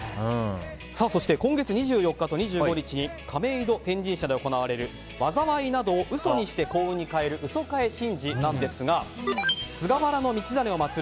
今月２４日と２５日に亀戸天神社で行われる災いなどを嘘にして幸運に替える鷽替神事なんですが菅原道真を祭る